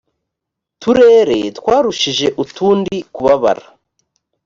turere twarushije utundi kubabara